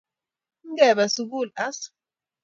Ngebe sugul as.